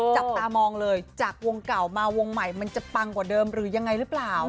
จับตามองเลยจากวงเก่ามาวงใหม่มันจะปังกว่าเดิมหรือยังไงหรือเปล่า